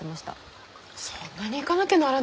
そんなに行かなきゃならないのかい？